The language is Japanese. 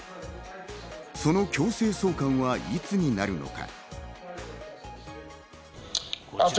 その強制送還はいつになるのか？